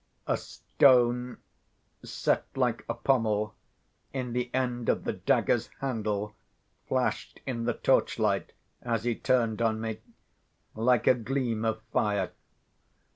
A stone, set like a pommel, in the end of the dagger's handle, flashed in the torchlight, as he turned on me, like a gleam of fire.